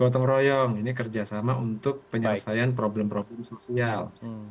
gotong royong ini kerjasama untuk penyelesaian problem problem sosial